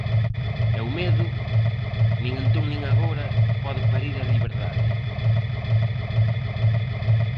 E o medo, nin entón nin agora, pode parir a liberdade.